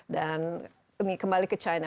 dan kembali ke china